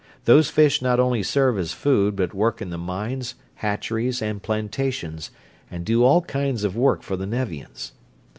Those fish not only serve as food, but work in the mines, hatcheries, and plantations, and do all kinds of work for the Nevians.